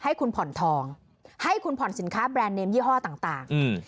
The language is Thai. ให้คุณผ่อนทองให้คุณผ่อนสินค้าแบรนด์เนมยี่ห้อต่างต่างอืม